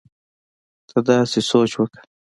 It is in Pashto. ته داسې سوچ وکړه